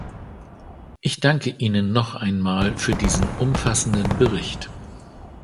Ich danke Ihnen noch einmal für diesen umfassenden Bericht.